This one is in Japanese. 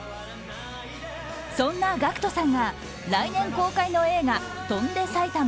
そんなＧＡＣＫＴさんが来年公開の映画「翔んで埼玉」